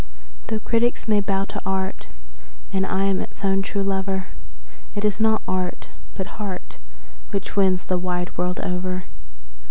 Though critics may bow to art, and I am its own true lover, It is not art, but heart, which wins the wide world over.